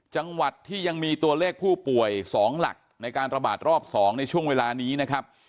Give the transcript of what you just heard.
จังหวัดที่ยังมีตัวเลขผู้ป่วย๒หลักในการระบาดรอบ๒ในช่วงเวลานี้นะครับ